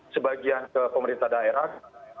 sebagian ke pemerintah daerah